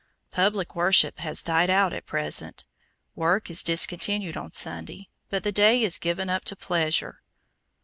Public worship has died out at present; work is discontinued on Sunday, but the day is given up to pleasure.